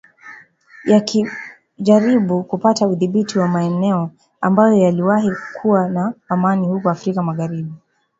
yakijaribu kupata udhibiti wa maeneo ambayo yaliwahi kuwa na amani huko Afrika magharibi